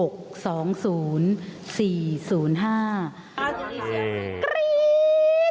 กรี๊ด